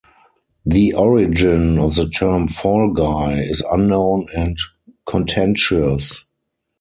The origin of the term "fall guy" is unknown and contentious.